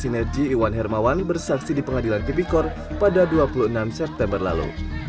sinergi iwan hermawan bersaksi di pengadilan tipikor pada dua puluh enam september lalu